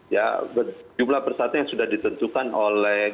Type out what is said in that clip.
ya jumlah persatu yang sudah ditentukan oleh